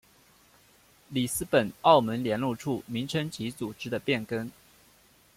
里斯本澳门联络处名称及组织的变更。